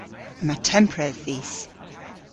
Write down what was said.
Yma tempredh dhis.